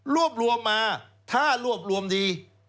รวบรวมมาถ้ารวบรวมดี